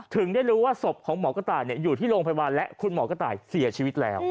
ถึงได้รู้ว่าศพของหมอกระต่ายอยู่ที่โรงพยาบาลและคุณหมอกระต่ายเสียชีวิตแล้ว